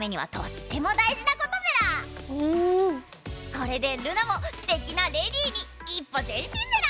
これでルナもすてきなレディーに一歩前しんメラ！